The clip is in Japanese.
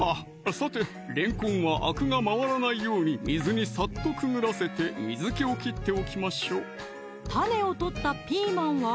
さてれんこんはアクが回らないように水にさっとくぐらせて水気を切っておきましょう種を取ったピーマンは？